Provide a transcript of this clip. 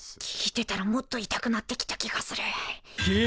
聞いてたらもっと痛くなってきた気がする。